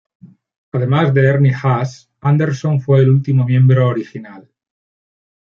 Además de Ernie Haase, Anderson fue el último miembro original.